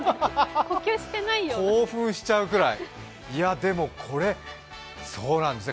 興奮しちゃうくらい、でもこれ、そうなんですね